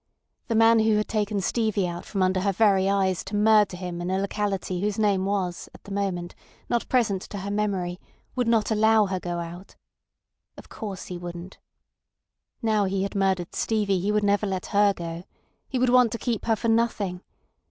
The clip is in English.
The man who had taken Stevie out from under her very eyes to murder him in a locality whose name was at the moment not present to her memory would not allow her to go out. Of course he wouldn't. Now he had murdered Stevie he would never let her go. He would want to keep her for nothing.